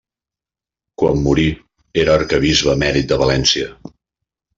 Quan morí era arquebisbe emèrit de València.